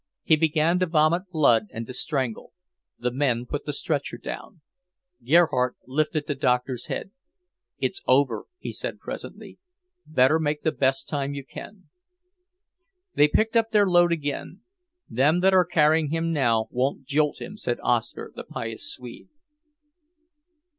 He began to vomit blood and to strangle. The men put the stretcher down. Gerhardt lifted the Doctor's head. "It's over," he said presently. "Better make the best time you can." They picked up their load again. "Them that are carrying him now won't jolt him," said Oscar, the pious Swede.